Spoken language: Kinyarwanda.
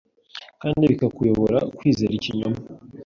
Kandi bikakuyobora kwizera ikinyoma